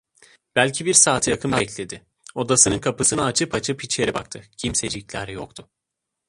Belki bir saate yakın bekledi, odasının kapısını açıp açıp içeri baktı, kimsecikler yoktu.